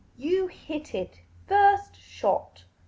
You hit it first shot.